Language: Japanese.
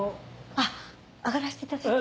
上がらせていただいて。